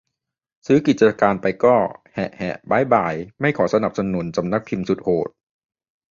ซื้อกิจการไปก็ แหะ แหะ บ๊ายบาย ไม่ขอสนับสนุนสำนักพิมพ์สุดโหด